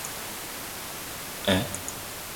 Kukhona imithi engakuvimba ukuba unikele ngegazi.